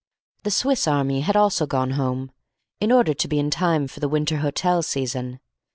The Swiss army had also gone home, in order to be in time for the winter hotel season.